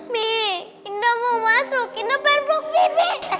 mi indah mau masuk indah pengen buk bibik